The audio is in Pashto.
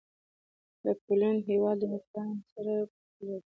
د پولينډ هيواد له یوکراین سره پوله لري.